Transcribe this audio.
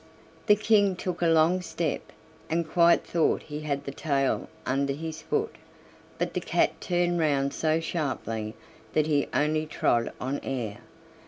The King took a long step, and quite thought he had the tail under his foot, but the cat turned round so sharply that he only trod on air.